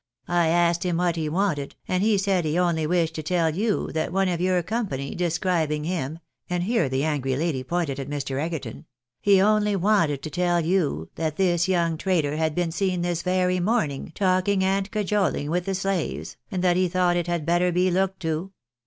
I asked him what he wanted, and he said he only wished to tell you that one of your company, describing him"— and here the angry lady pointed at Mr. Egerton —" he only wanted to tell you that this young traitor had been seen this very morning talking and cajoling with the slaves, and that he thought it had better be looked to.